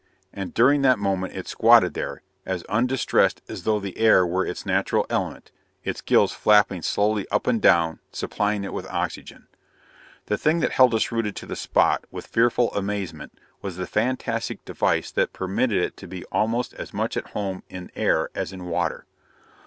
And, during that moment it squatted there, as undistressed as though the air were its natural element, its gills flapping slowly up and down supplying it with oxygen. The thing that held us rooted to the spot with fearful amazement was the fantastic device that permitted it to be almost as much at home in air as in water.